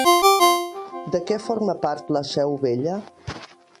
De què forma part La Seu Vella?